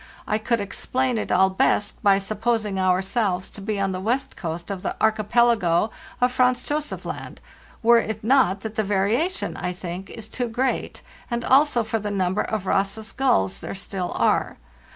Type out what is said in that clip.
I could explain it all best by supposing ourselves to be on the west coast of the archipelago of Franz Josef Land, were it not that the variation, I think, is too great, and also for the number of Ross's gulls there still are.